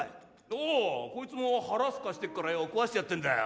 おうこいつも腹すかしてっからよ食わしてやってんだよ。